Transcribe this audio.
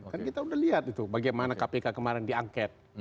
kan kita udah lihat itu bagaimana kpk kemarin diangket